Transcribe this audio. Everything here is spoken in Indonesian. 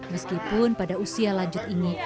meskipun pada usia lanjut ini